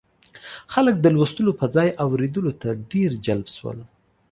خلک د لوستلو پر ځای اورېدلو ته ډېر جلب شول.